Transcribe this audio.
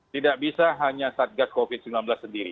tidak bisa hanya satgas covid sembilan belas sendiri